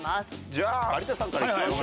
じゃあ有田さんからいきましょうか。